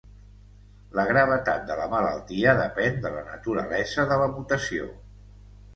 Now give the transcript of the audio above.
La gravetat de la malaltia depèn de la naturalesa de la mutació.